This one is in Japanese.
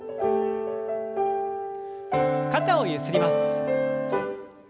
肩をゆすります。